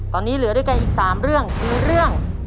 ตอนนี้เหลือด้วยกันอีก๓เรื่องคือเรื่อง